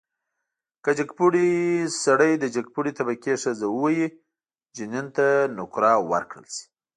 که جګپوړی سړی د جګپوړي طبقې ښځه ووهي، جنین ته نقره ورکړل شي.